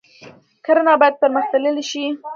کرنه باید پرمختللې شي